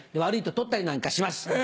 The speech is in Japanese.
悪いと取ったりなんかします。